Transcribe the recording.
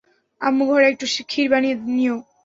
আম্মু, ঘরে একটু খির বানিয়ে নিও।